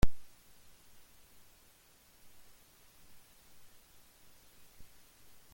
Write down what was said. Ses os grelottèrent, et son échine se mouilla.